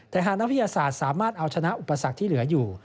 แต่หากนักวิทยาศาสตร์สามารถเอาชนะอุปสรรคที่เหลืออยู่